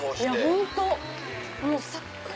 ホントさっぱり。